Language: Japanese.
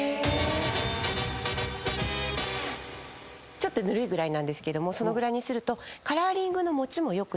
ちょっとぬるいぐらいなんですがそのぐらいにすると。